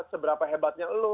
seberapa hebatnya lu